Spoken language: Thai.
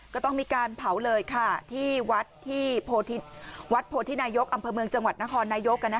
ก็ต้องมีการเผาเลยค่ะที่วัดที่วัดโพธินายกอำเภอเมืองจังหวัดนครนายก